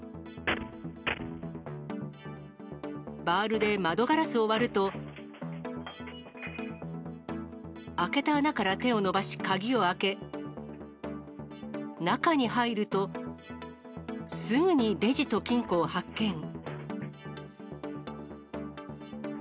バールで窓ガラスを割ると、開けた穴から手を伸ばし、鍵を開け、中に入ると、すぐにレジと金庫を発見。